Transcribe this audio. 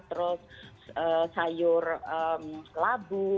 terus sayur labu